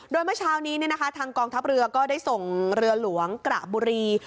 โดยเมื่อเช้านี้ทางกองทัพเรือก็ได้ส่งเรือหลวงกระบุรี